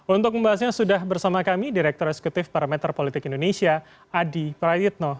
untuk membahasnya sudah bersama kami direktur eksekutif parameter politik indonesia adi prayitno